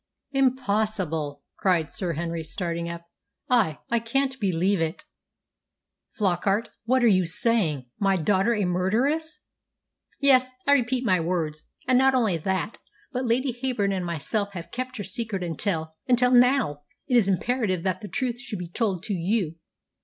"Impossible!" cried Sir Henry, starting up. "I I can't believe it, Flockart. What are you saying? My daughter a murderess!" "Yes, I repeat my words. And not only that, but Lady Heyburn and myself have kept her secret until until now it is imperative that the truth should be told to you."